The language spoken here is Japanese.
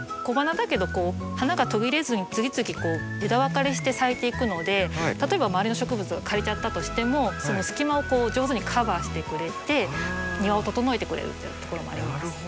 小花だけど花が途切れずに次々こう枝分かれして咲いていくので例えば周りの植物が枯れちゃったとしてもその隙間を上手にカバーしてくれて庭を整えてくれるっていうところもあります。